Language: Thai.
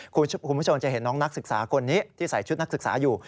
คุณผู้ชมจะเห็นน้องนักศึกษาคนนี้ที่ใส่ชุดนักศึกษาอยู่